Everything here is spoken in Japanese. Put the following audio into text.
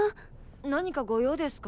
何かご用ですか？